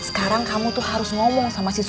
nah sekarang kamu tuh harus ngomong sama sokot dek